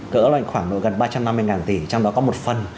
cỡ khoảng gần ba trăm năm mươi tỷ trong đó có một phần